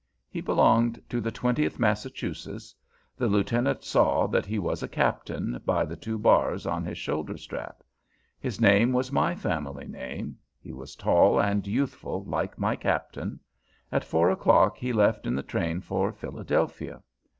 He belonged to the Twentieth Massachusetts; the Lieutenant saw that he was a Captain, by the two bars on his shoulder strap. His name was my family name; he was tall and youthful, like my Captain. At four o'clock he left in the train for Philadelphia.